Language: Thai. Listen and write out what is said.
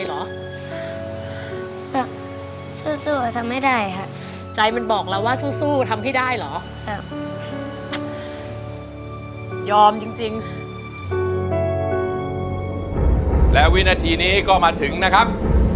และวินาทีนี้ก็มาถึงนะครับ